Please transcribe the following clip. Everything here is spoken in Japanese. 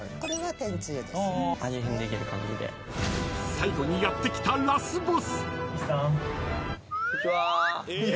［最後にやって来たラスボス］